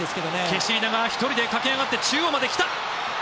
ケシリダが１人で駆け上がって中央まで来た。